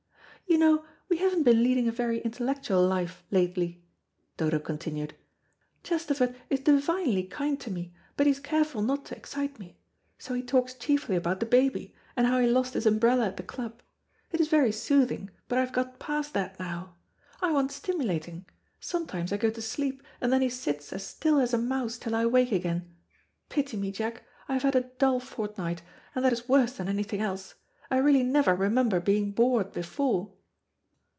"You know we haven't been leading a very intellectual life lately," Dodo continued. "Chesterford is divinely kind to me, but he is careful not to excite me. So he talks chiefly about the baby, and how he lost his umbrella at the club; it is very soothing, but I have got past that now. I want stimulating. Sometimes I go to sleep, and then he sits as still as a mouse till I wake again. Pity me, Jack, I have had a dull fortnight; and that is worse than anything else. I really never remember being bored before!"